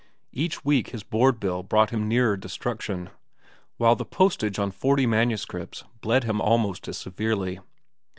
Each week his board bill brought him nearer destruction, while the postage on forty manuscripts bled him almost as severely.